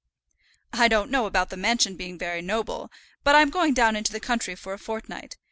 "I don't know about the mansion being very noble, but I'm going down into the country for a fortnight.